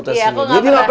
mas diri ngapa